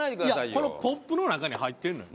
このポップの中に入ってるのよ。